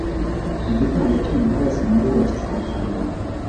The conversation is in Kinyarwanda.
igitambo cy umuntu wese muri bo kizatangwa